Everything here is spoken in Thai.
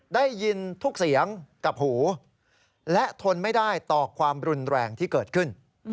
ได้ยินทุกเสียงกับหูและทนไม่ได้ต่อความรุนแรงที่เกิดขึ้น